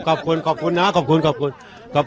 ขอบคุณครับขอบคุณครับหรอครับขอบคุณขอบคุณครับ